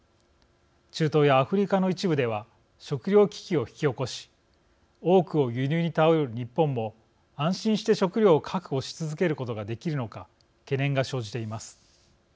中東やアフリカの一部では食料危機を引き起こし多くを輸入に頼る日本も安心して食料を確保し続けることができるのか懸念が生じています。